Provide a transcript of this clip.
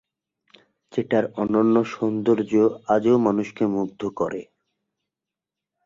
যেটার অনন্য সৌন্দর্য আজও মানুষকে মুগ্ধ করে।